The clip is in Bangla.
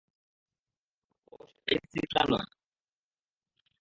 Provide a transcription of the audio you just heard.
ও শিট আইএসসি ইসলাম নয়।